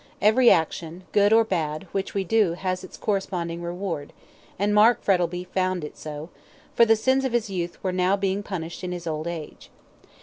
Every action, good or bad, which we do has its corresponding reward, and Mark Frettlby found it so, for the sins of his youth were now being punished in his old age.